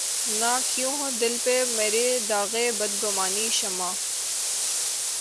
نہ کیوں ہو دل پہ مرے داغِ بدگمانیِ شمع